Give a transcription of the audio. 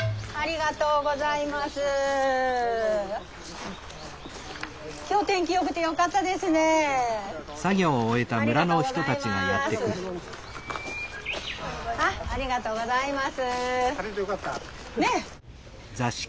ありがとうございます。